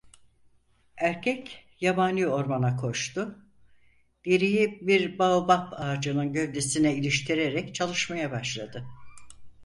Erkek yabani ormana koştu, deriyi bir baobap ağacının gövdesine iliştirerek çalışmaya başladı.